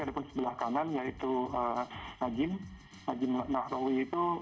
ada pun di sebelah kanan yaitu najim nahrawi itu